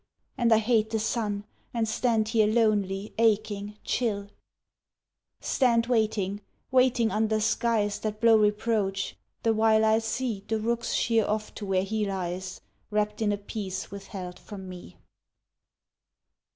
And I hate the sun, And stand here lonely, aching, chill; "Stand waiting, waiting under skies That blow reproach, the while I see The rooks sheer off to where he lies Wrapt in a peace withheld from me."